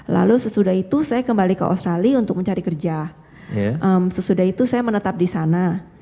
lalu sesudah itu saya kembali ke australia untuk mencari kerja sesudah itu saya menetap di sana